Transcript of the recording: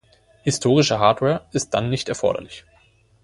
Historische Hardware ist dann nicht erforderlich.